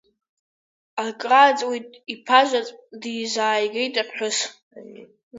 Акрааҵуеит, иԥазаҵә дизааигеит аԥҳәыс.